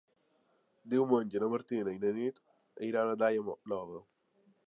Diumenge na Martina i na Nit aniran a Daia Nova.